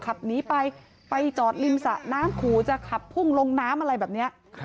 ขับหนีไปไปจอดริมสะน้ำขู่จะขับพุ่งลงน้ำอะไรแบบนี้